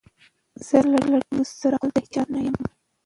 زه له ټولو سره خپل د هیچا نه یم